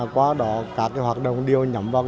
qua đó các hoạt động đều nhắm vào